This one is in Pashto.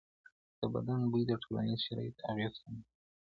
د بدن بوی د ټولنیزو شرایطو اغېز هم لري.